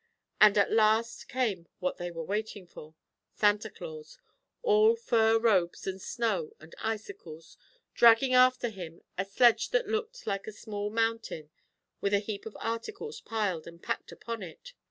And at last came what they were waiting for Santa Claus, all fur robes and snow and icicles, dragging after him a sledge that looked like a small mountain with the heap of articles piled and packed upon it.